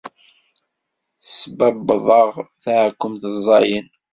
Tesbabbeḍ-aɣ taɛkemt ẓẓayen.